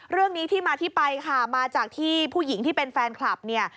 เรื่องนี้ที่มาที่ไปค่ะมาจากที่ผู้หญิงที่เป็นแฟนคลับเนี่ย